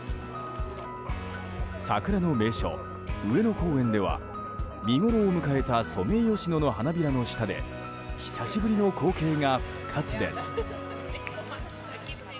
桜の名所・上野公園では見ごろを迎えたソメイヨシノの花びらの下で久しぶりの光景が復活です。